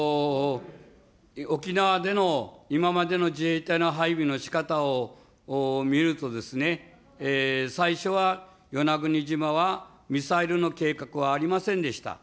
沖縄での今までの自衛隊の配備のしかたを見ると、最初は与那国島はミサイルの計画はありませんでした。